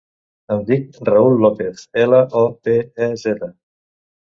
Em dic Raül Lopez: ela, o, pe, e, zeta.